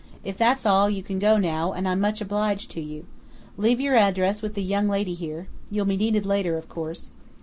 If that's all, you can go now, and I'm much obliged to you. Leave your address with the young lady here. You'll be needed later, of course."